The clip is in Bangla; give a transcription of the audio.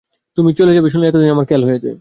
তুমি চলে যাবে শুনে এতদিনে আমার খেয়াল হয়েছে?